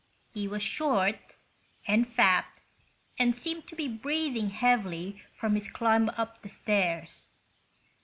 He was short and fat, and seemed to be breathing heavily from his climb up the stairs.